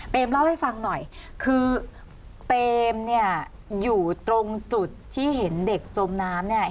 เปมเล่าให้ฟังหน่อยคือเปมอยู่ตรงจุดที่เห็นเด็กจมน้ำ